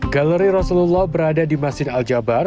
galeri rasulullah berada di masjid al jabar